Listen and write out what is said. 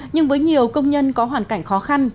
nhưng với nhiều công nhân có hoàn cảnh khó khăn